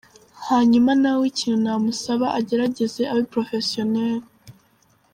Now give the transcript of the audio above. Hanyuma nawe ikintu namusaba agerageze abe Professionel.